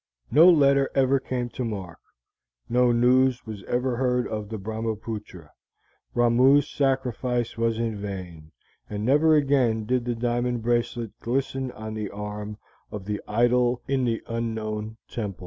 No letter ever came to Mark; no news was ever heard of the Brahmapootra. Ramoo's sacrifice was in vain, and never again did the diamond bracelet glisten on the arm of the idol in the unknown temple.